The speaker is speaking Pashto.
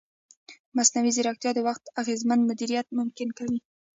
مصنوعي ځیرکتیا د وخت اغېزمن مدیریت ممکن کوي.